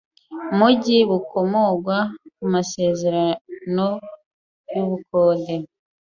mujyi bukomorwa ku masezerano y ubukode